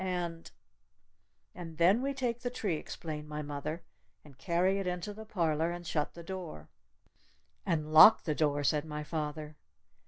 And " "And then we take the tree," explained my mother, "and carry it into the parlor. And shut the door." "And lock the door," said my father.